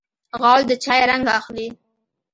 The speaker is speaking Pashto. غول د چای رنګ اخلي.